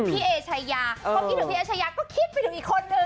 พี่เอเชยาก็คิดถึงพี่เอเชยาก็คิดถึงอีกคนนึง